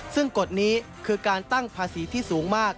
ซึ่งกฎนี้คือการตั้งภาษีที่สูงมาก